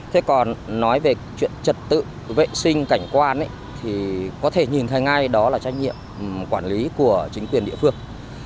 thế còn nói về chuyện trật tự vệ sinh cảnh quan thì có thể nhìn thấy ngay đó là trách nhiệm quản lý của chính quyền địa phương